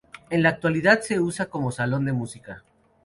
En la actualidad, se usa como salón de música.